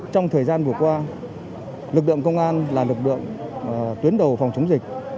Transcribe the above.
trong thời gian vừa qua lực lượng công an là lực lượng tuyến đầu phòng chống dịch